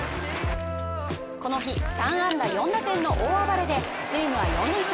この日、３安打４打点の大暴れでチームは４連勝。